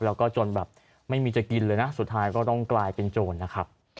แล้วก็จนแบบไม่มีจะกินเลยนะสุดท้ายก็ต้องกลายเป็นโจรนะครับ